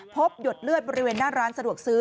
หยดเลือดบริเวณหน้าร้านสะดวกซื้อ